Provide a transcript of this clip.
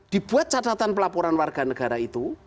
dibuat catatan pelaporan warga negara itu